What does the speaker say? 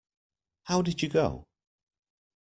How did you go?